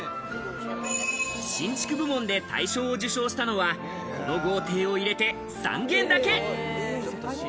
新築部門で大賞を受賞したのは、この豪邸を入れて３軒だけ。